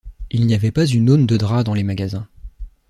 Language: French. Il n’y avait pas une aune de drap dans les magasins.